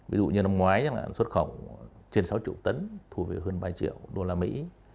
ví dụ như năm ngoái xuất khẩu trên sáu triệu tấn thua về hơn ba triệu đô la mỹ